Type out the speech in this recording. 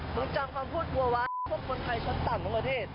มึงจังความพูดกลัวว้าพวกคนไทยช้อนต่ำทั้งประเทศ